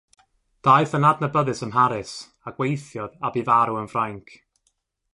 Daeth yn adnabyddus ym Mharis, a gweithiodd a bu farw yn Ffrainc.